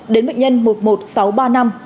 đến bệnh nhân một một sáu ba năm